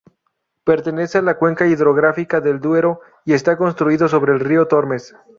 Pertenece a la cuenca hidrográfica del Duero y está construido sobre el río Tormes.